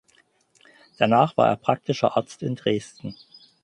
Danach war er praktischer Arzt in Dresden.